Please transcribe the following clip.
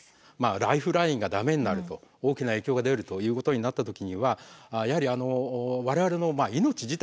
ライフラインが駄目になると大きな影響が出るということになった時にはやはり我々の命自体も危なくなりますよね。